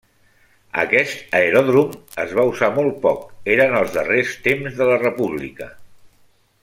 Aquest aeròdrom es va usar molt poc; eren els darrers temps de la República.